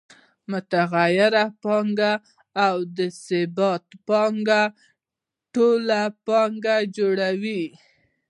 متغیره پانګه او ثابته پانګه ټوله پانګه جوړوي